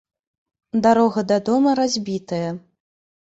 Дарога да дома разбітая.